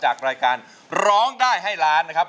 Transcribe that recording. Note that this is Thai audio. จากรายการร้องได้ให้ล้านนะครับ